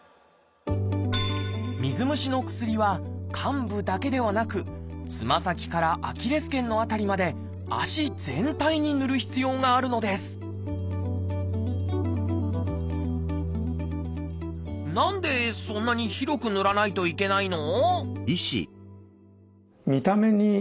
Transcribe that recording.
水虫の薬は患部だけではなくつま先からアキレス腱の辺りまで足全体にぬる必要があるのです何でそんなに広くぬらないといけないの？